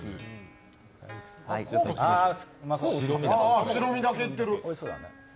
あ、白身だけいってる。